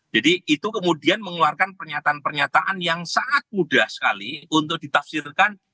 jadi itu kemudian mengeluarkan pernyataan pernyataan yang sangat mudah sekali untuk ditafsirkan